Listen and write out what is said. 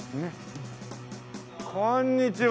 こんにちは。